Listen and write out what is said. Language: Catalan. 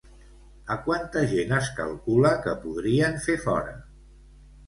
A quanta gent es calcula que podrien fer fora?